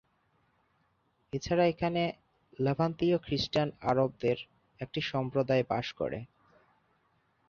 এছাড়া এখানে লেভান্তীয় খ্রিস্টান আরবদের একটি সম্প্রদায় বাস করে।